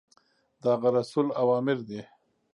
د هغه رسول اوامر دي.